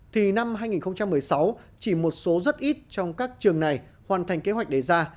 thì năm hai nghìn một mươi sáu chỉ một số rất ít trong các trường này hoàn thành kế hoạch đề ra